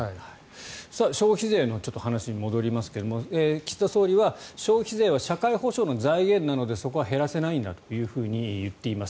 消費税の話に戻りますが岸田総理は消費税は社会保障の財源なのでそこは減らせないんだと言っています。